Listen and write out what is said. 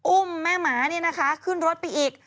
อุ้มแม่หมาขึ้นรถไปอีก